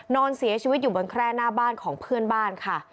นอนเสียชีวิตอยู่บนแคร่หน้าบ้านของเพื่อนบ้านค่ะ